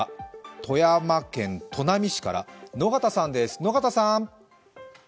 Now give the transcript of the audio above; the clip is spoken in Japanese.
富山県砺波市から野方さんです。